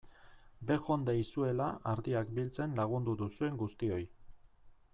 Bejondeizuela ardiak biltzen lagundu duzuen guztioi!